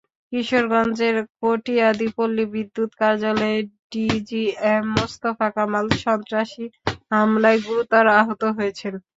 কিশোরগঞ্জের কটিয়াদী পল্লী বিদ্যুৎ কার্যালয়ের ডিজিএম মোস্তফা কামাল সন্ত্রাসী হামলায় গুরুতর আহত হয়েছেন।